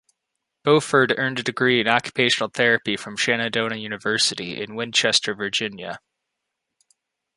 Beauford earned a degree in Occupational Therapy from Shenandoah University, in Winchester, Virginia.